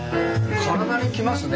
体にきますね。